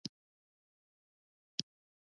د خویندو پالنه د ورور مړانه ده.